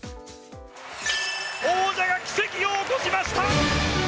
王者が奇跡を起こしました。